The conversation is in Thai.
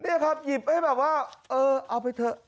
นี่ครับหยิบให้แบบว่าเออเอาไปเถอะ